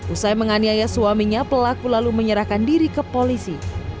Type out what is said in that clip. usai menganiaya suaminya pelaku lalu menyerahkan diri ke polisi